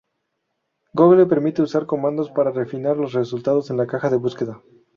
Google permite usar comandos para refinar los resultados en su caja de búsqueda.